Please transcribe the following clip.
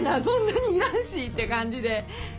そんなに要らんしって感じで。